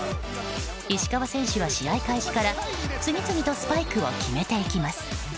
石川選手は試合開始から次々とスパイクを決めていきます。